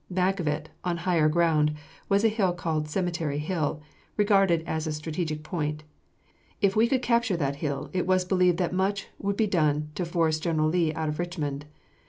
Back of it, on higher ground, was a hill called Cemetery Hill, regarded as a strategic point. If we could capture that hill, it was believed that much would be done to force General Lee out of Richmond.